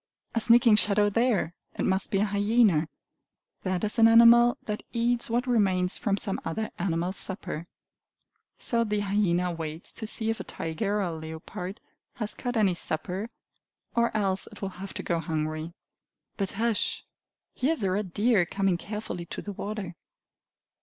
A sneaking shadow there! It must be a hyena. That is an animal that eats what remains from some other animal's supper; so the hyena waits to see if a tiger or a leopard has caught any supper, or else it will have to go hungry. But hush! Here is a red deer coming carefully to the water.